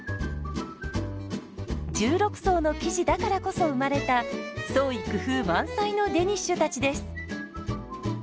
１６層の生地だからこそ生まれた創意工夫満載のデニッシュたちです。